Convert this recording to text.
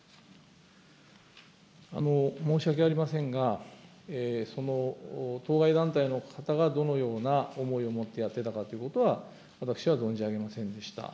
申し訳ありませんが、当該団体の方がどのような思いを持ってやっていたかということは、私は存じ上げませんでした。